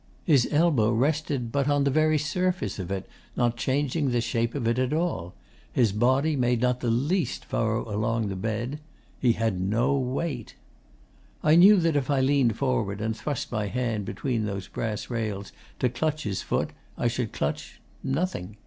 His elbow rested but on the very surface of it, not changing the shape of it at all. His body made not the least furrow along the bed.... He had no weight. 'I knew that if I leaned forward and thrust my hand between those brass rails, to clutch his foot, I should clutch nothing.